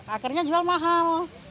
akhirnya jual mahal